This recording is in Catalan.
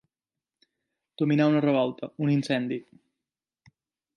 Dominar una revolta, un incendi.